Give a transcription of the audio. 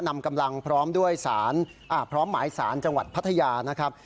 นำกำลังพร้อมด้วยสารพร้อมหมายสารจังหวัดพัทยานะครับ